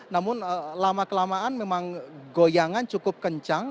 namun lama kelamaan memang goyangan cukup kencang